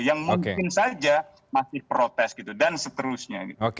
yang mungkin saja masih protes dan seterusnya